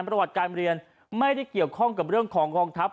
ประวัติการเรียนไม่ได้เกี่ยวข้องกับเรื่องของกองทัพ